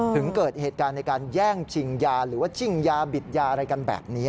ถึงเกิดเหตุการณ์ในการแย่งชิงยาหรือว่าชิ่งยาบิดยาอะไรกันแบบนี้